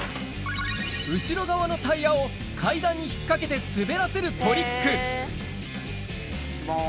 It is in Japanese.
後ろ側のタイヤを階段に引っ掛けて滑らせるトリックいきます。